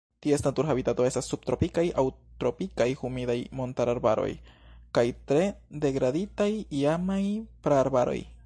Ties natura habitato estas subtropikaj aŭ tropikaj humidaj montararbaroj kaj tre degraditaj iamaj praarbaroj.